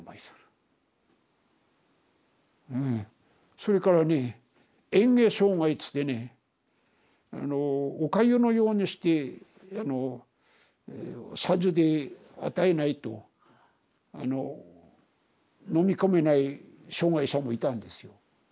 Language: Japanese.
それからね嚥下障害っつってねあのおかゆのようにしてさじで与えないと飲み込めない障害者もいたんですよ。